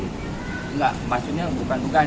enggak maksudnya bukan bukan